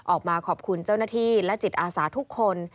ออกมาขอบคุณเจ้าหน้าที่และจิตอาสาทุกคน